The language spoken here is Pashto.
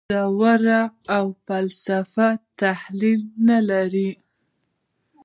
ژور او فلسفي تحلیل نه لري.